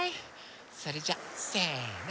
それじゃせの。